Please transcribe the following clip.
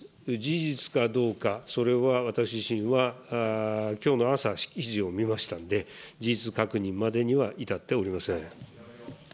事実かどうか、それは私自身は、きょうの朝、しきじを見ましたので、事実確認までには至っておりません。